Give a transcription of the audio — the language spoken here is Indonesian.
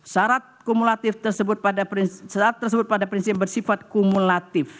sarat tersebut pada prinsip bersifat kumulatif